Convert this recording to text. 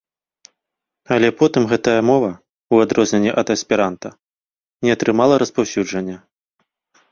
Але потым гэтая мова, у адрозненне ад эсперанта, не атрымала распаўсюджвання.